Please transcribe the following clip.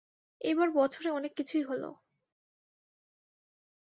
এইবার বছরে অনেক কিছুই হল।